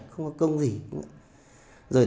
không có công gì